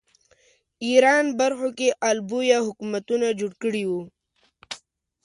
ایران برخو کې آل بویه حکومتونه جوړ کړي وو